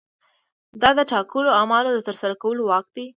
دا د ټاکلو اعمالو د ترسره کولو واک دی.